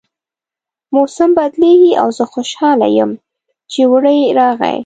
موسم بدلیږي او زه خوشحاله یم چې اوړی راغی